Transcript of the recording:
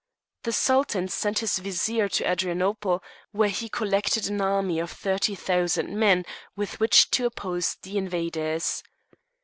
The Sultan sent his Vizier to Adrianople, where he collected an army of thirty thousand men, with which to oppose the invaders.